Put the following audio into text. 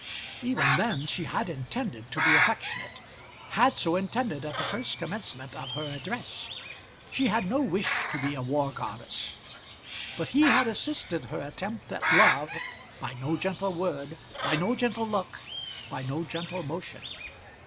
Even then she had intended to be affectionate, had so intended at the first commencement of her address. She had no wish to be a war goddess. But he had assisted her attempt at love by no gentle word, by no gentle look, by no gentle motion.